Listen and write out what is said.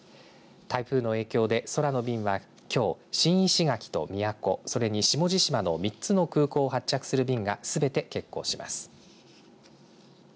台風の影響で空の便はきょう新石垣と宮古、それに下地島の３つの空港を発着する便がすべて欠航します。